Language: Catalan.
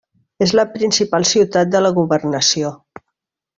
És la principal ciutat de la governació.